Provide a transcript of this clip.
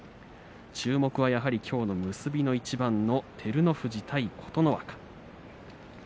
注目はやはり、きょう結びの一番の照ノ富士対琴ノ若。